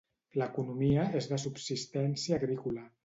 L'economia és de subsistència agrícola.